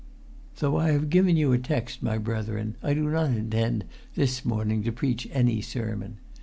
"Though I have given you a text, my brethren, I do not intend this morning to preach any sermon.